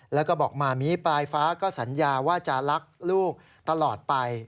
แล้วก็บอกหมามีปลายฟ้าก็สัญญาว่าจะรักลูกตลอดไป